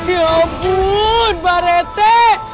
ya ampun pak rete